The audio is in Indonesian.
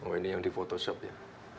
oh ini yang di fotoshop ya